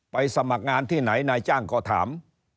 สมัครงานที่ไหนนายจ้างก็ถาม